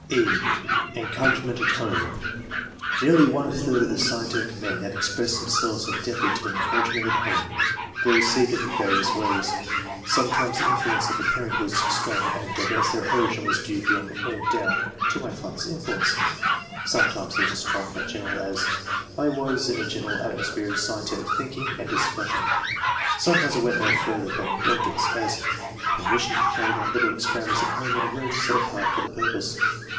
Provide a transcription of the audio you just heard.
§ E. ENCOURAGEMENT AT HOME. Nearly one third of the scientific men have expressed themselves indebted to encouragement at home. They received it in various ways ; sometimes the influence of the parent was strong and direct, as " their origin was due beyond all doubt to my father's influence;'' sometimes it was strong but general, as " I was in a general atmosphere of scientific thinking and discus sion ;" sometimes it went no further than indulgence, as "permission to carry on little experiments at home in a room set apart for the purpose."